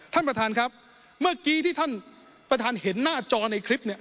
ท่านประธานครับเมื่อกี้ที่ท่านประธานเห็นหน้าจอในคลิปเนี่ย